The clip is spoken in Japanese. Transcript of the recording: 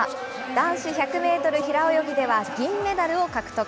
男子１００メートル平泳ぎでは、銀メダルを獲得。